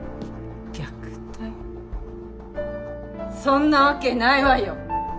そんなわけないわよ。